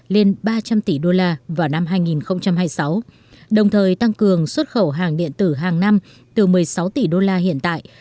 lên ba trăm linh tỷ đô la vào năm hai nghìn hai mươi sáu đồng thời tăng cường xuất khẩu hàng điện tử hàng năm từ một mươi sáu tỷ đô la hiện tại